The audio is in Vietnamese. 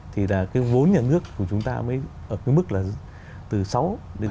thì là cái vốn nhà nước của chúng ta mới ở cái mức là từ sáu đến tám